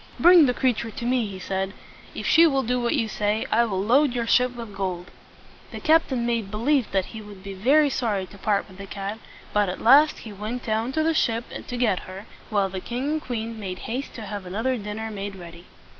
"Bring the creature to me," he said. "If she will do what you say, I will load your ship with gold." The captain made believe that he would be very sorry to part with the cat; but at last he went down to the ship to get her, while the king and queen made haste to have another dinner made ready.